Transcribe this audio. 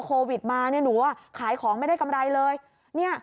พอโควิดมาหนูขายของไม่ได้กำไรเลย